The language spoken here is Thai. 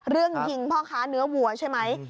ยิงพ่อค้าเนื้อวัวใช่ไหม